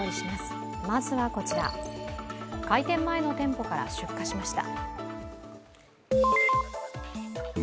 開店前の店舗から出火しました。